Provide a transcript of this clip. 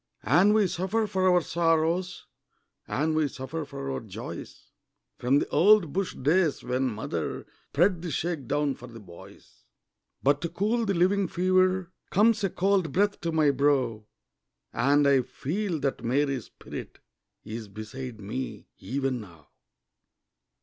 And we suffer for our sorrows, And we suffer for our joys, From the old bush days when mother Spread the shake down for the boys. But to cool the living fever, Comes a cold breath to my brow, And I feel that Mary's spirit Is beside me, even now.